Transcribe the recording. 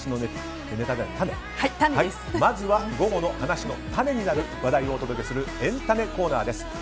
まずは午後の話のタネになる話題をお届けするエンたねコーナーです。